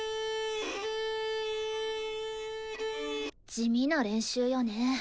地味な練習よね。